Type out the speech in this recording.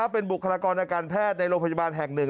เป็นบุคลากรอาการแพทย์ในโรงพยาบาลแห่งหนึ่ง